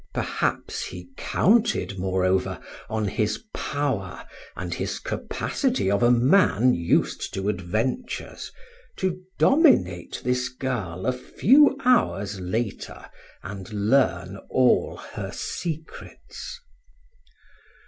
Perhaps he counted, moreover, on his power and his capacity of a man used to adventures, to dominate this girl a few hours later and learn all her secrets.